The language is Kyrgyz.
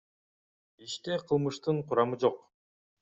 Иште кылмыштын курамы жок.